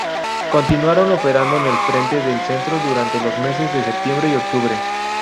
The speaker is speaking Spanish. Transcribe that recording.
Continuaron operando en el Frente del Centro durante los meses de septiembre y octubre.